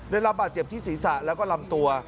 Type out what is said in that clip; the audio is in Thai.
ได้รับบาดเจ็บที่ศีรษะแล้วก็ลำตัว